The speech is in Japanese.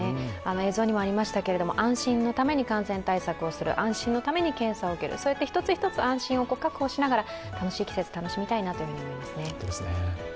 映像にもありましたけれども、安心のために感染対策をする、安心のために検査を受ける、そうやって１つ１つ、安心を確保しながら楽しい季節、楽しみたいと思いますね。